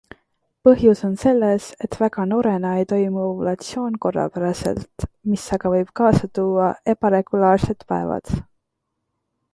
Põhjus on selles, et väga noorena ei toimu ovulatsioon korrapäraselt, mis aga võib kaasa tuua ebaregulaarsed päevad.